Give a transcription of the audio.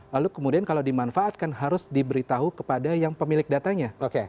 lalu kemudian kalau dimanfaatkan harus diberitahu kepada yang pemilik datanya